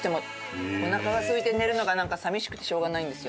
おなかがすいて寝るのがなんか寂しくてしょうがないんですよ。